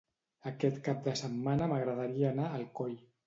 Aquest cap de setmana m'agradaria anar a Alcoi.